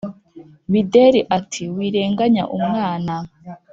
Bideri ati: "Wirenganya umwana,